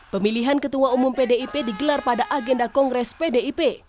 pemilihan ketua umum pdip digelar pada agenda kongres pdip